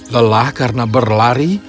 lelah karena berlari